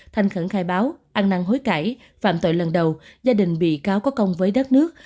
thanh khẩn khai báo ăn năng hối cãi phạm tội lần đầu gia đình bị cáo có công với đất nước